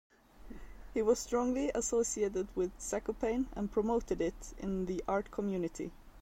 He was strongly associated with Zakopane and promoted it in the art community.